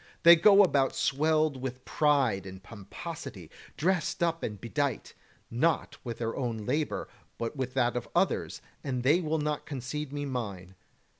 They go about swelled with pride and pomposity, dressed up and bedight, not with their own labour, but with that of others; and they will not concede me mine.